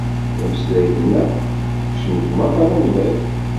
Tameslayt-nneɣ tekcem ɣer umaḍal umḍin.